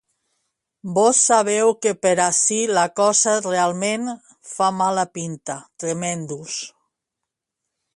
Vós sabeu que per ací la cosa realment fa mala pinta, Tremendus.